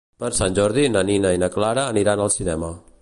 Per Sant Jordi na Nina i na Clara aniran al cinema.